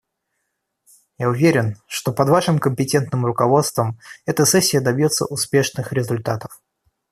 Я уверен, что под Вашим компетентным руководством эта сессия добьется успешных результатов.